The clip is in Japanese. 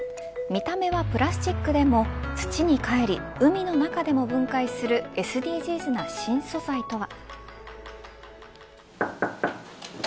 見た目はプラスチックでも土にかえり海の中でも分解するＳＤＧｓな新素材とは。